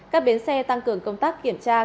các bến xe tăng cường công tác kiểm tra